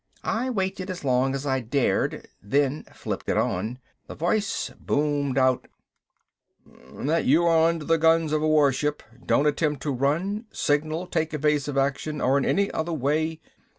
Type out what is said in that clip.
I waited as long as I dared, then flipped it on. The voice boomed out. "... That you are under the guns of a warship! Don't attempt to run, signal, take evasive action, or in any other way...."